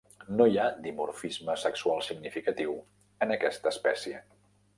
No hi ha dimorfisme sexual significatiu en aquesta espècie.